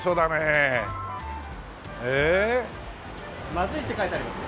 「まずい」って書いてありますよ。